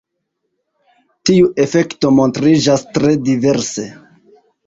Tiu efekto montriĝas tre diverse.